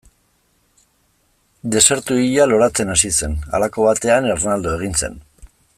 Desertu hila loratzen hasi zen, halako batean ernaldu egin zen.